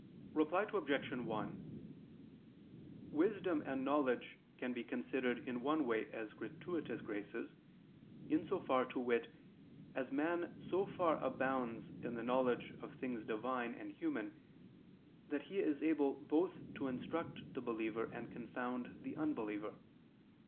Reply Obj. 1: Wisdom and knowledge can be considered in one way as gratuitous graces, in so far, to wit, as man so far abounds in the knowledge of things Divine and human, that he is able both to instruct the believer and confound the unbeliever.